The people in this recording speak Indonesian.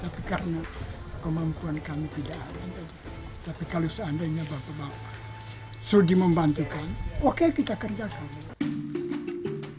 tapi kalau seandainya bapak bapak sudi membantukan oke kita kerjakan